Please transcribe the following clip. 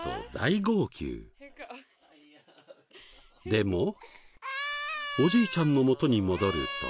でもおじいちゃんの元に戻ると。